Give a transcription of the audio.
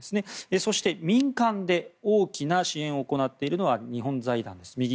そして、民間で大きな支援を行っているのは日本財団です。